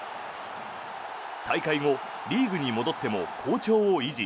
大会後、リーグに戻っても好調を維持。